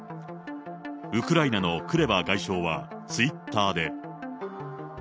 ウクライナのクレバ外相は、ツイッターで。